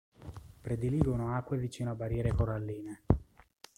Prediligono acque vicino a barriere coralline.